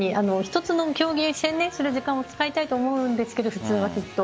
一つの競技に専念する時間を使いたいと思うんですが普通は。